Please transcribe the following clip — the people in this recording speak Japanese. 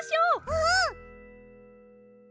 うん！